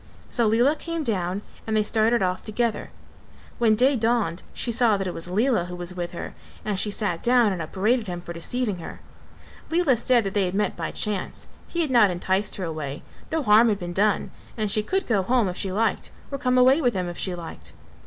So Lela came down and they started off together; when day dawned she saw that it was Lela who was with her and she sat down and upbraided him for deceiving her. Lela said that they had met by chance; he had not enticed her away, no harm had been done and she could go home if she liked or come away with him if she liked.